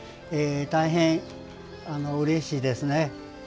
大変、うれしいですね。